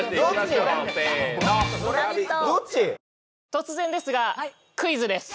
突然ですがクイズです